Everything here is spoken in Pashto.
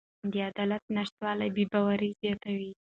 د عدالت نشتوالی بې باوري زیاتوي